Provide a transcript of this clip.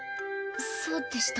そうでした。